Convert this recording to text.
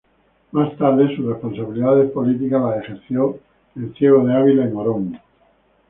Más tarde, sus responsabilidades políticas las ejerció en Ciego de Ávila y Morón.